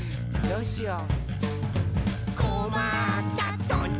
「どうしよう？」